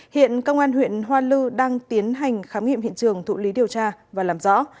hiện công an huyện hoa lư đang tiến hành khám nghiệm hiện trường thụ lý điều tra và làm rõ